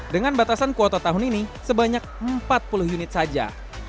dengan batasan kuota tahun ini sebanyak empat puluh unit saja